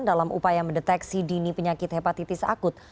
dalam upaya mendeteksi dini penyakit hepatitis akut